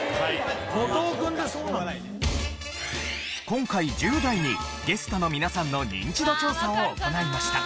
今回１０代にゲストの皆さんのニンチド調査を行いました。